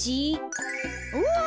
うわ！